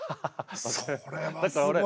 それはすごい。